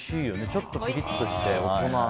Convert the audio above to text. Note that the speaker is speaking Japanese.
ちょっとピリッとして大人な。